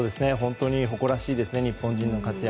誇らしいです日本人の活躍。